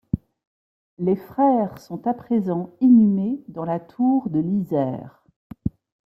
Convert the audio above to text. Les frères sont à présent inhumés dans la tour de l'Yser.